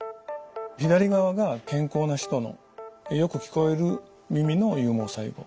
左側が健康な人のよく聞こえる耳の有毛細胞。